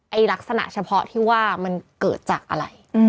ลักษณะเฉพาะที่ว่ามันเกิดจากอะไร